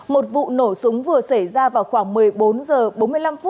một vụ nổ súng vừa xảy ra vào khoảng một mươi bốn h bốn mươi năm chiều ngày hôm nay